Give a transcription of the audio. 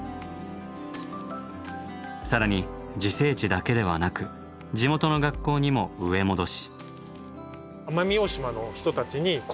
更に自生地だけではなく地元の学校にも植え戻し。